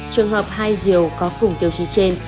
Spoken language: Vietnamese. trường hợp hai diều có cùng tiêu chí trên